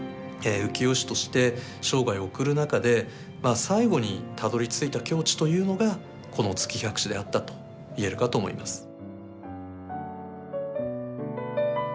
浮世絵師として生涯を送る中でまあ最後にたどりついた境地というのがこの「月百姿」であったと言えるかと思います。